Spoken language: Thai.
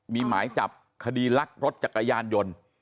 มีหมายจับคดีลักรถจักรยานยนต์